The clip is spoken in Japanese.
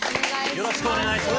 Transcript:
よろしくお願いします。